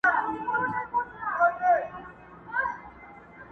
لکه شمع بلېده په انجمن کي!!